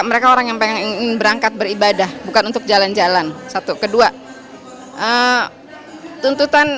mereka orang yang pengen berangkat beribadah bukan untuk jalan jalan satu kedua tuntutan